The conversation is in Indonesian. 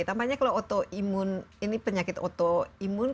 tambahnya kalau otoimun ini penyakit otoimun